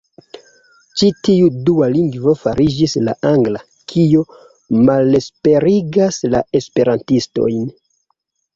Ĉi tiu dua lingvo fariĝis la angla, kio malesperigas la esperantistojn.